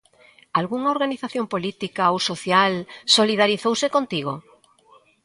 Algunha organización política ou social solidarizouse contigo?